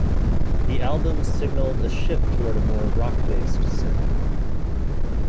The album signaled a shift toward a more rock-based sound.